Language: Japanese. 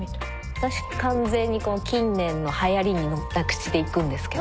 私完全に近年のはやりに乗った口で行くんですけど。